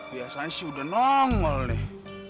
biasanya sih udah nongol nih